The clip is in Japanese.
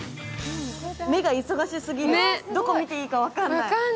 目が忙しすぎる、どこ見ていいか分からない。